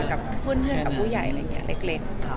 กับเพื่อนกับผู้ใหญ่อะไรอย่างนี้เล็ก